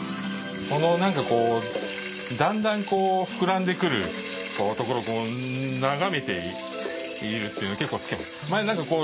このなんかこうだんだんこう膨らんでくるところこう眺めているっていうの結構好きなの。